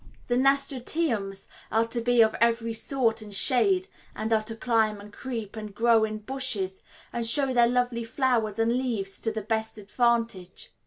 The nasturtiums are to be of every sort and shade, and are to climb and creep and grow in bushes, and show their lovely flowers and leaves to the best advantage.